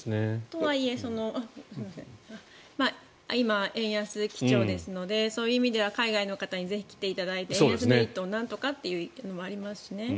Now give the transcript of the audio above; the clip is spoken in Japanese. とはいえ、今円安基調ですのでそういう意味では海外の方にぜひ来ていただいて円安のメリットをなんとかというのもありますしね。